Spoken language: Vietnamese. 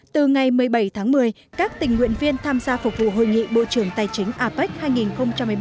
từ ngày một mươi bảy tháng một mươi các tình nguyện viên tham gia phục vụ hội nghị bộ trưởng tài chính apec hai nghìn một mươi ba